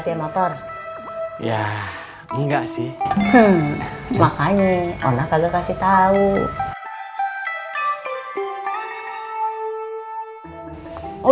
hilang semua kerja aja ya ya